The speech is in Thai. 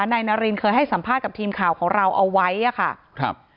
นายนารินเคยให้สัมภาษณ์กับทีมข่าวของเราเอาไว้อ่ะค่ะครับ